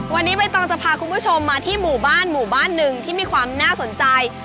วันนี้ใบตองจะพาคุณผู้ชมมาที่หมู่บ้านหมู่บ้านหนึ่งที่มีความน่าสนใจ